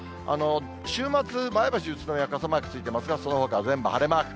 週末、前橋、宇都宮は傘マークついていますが、そのほかは全部晴れマーク。